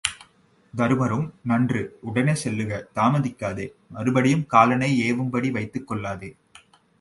தருமரும் நன்று, உடனே செல்லுக, தாமதிக்காதே, மறுபடியும் காலனை எவும்படி வைத்துக் கொள்ளாதே.